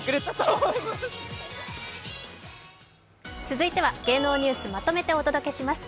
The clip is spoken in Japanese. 続いては芸能ニュースまとめてお届けします。